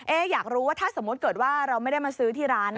อยากรู้ว่าถ้าสมมุติเกิดว่าเราไม่ได้มาซื้อที่ร้าน